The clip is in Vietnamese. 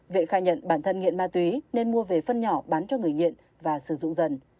viện khai nhận bản thân nghiện ma túy nên mua về phân nhỏ bán cho người nghiện và sử dụng dần